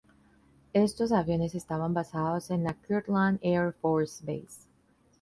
Estos aviones estaban basados en la Kirtland Air Force Base.